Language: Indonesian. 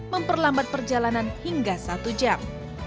memperlambat perjalanan hingga satu jam